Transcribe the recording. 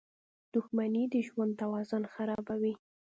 • دښمني د ژوند توازن خرابوي.